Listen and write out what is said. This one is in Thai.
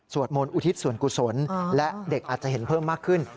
มนต์อุทิศส่วนกุศลและเด็กอาจจะเห็นเพิ่มมากขึ้น